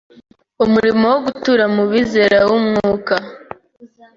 Umurimo wo gutura mu bizera w'Umwuka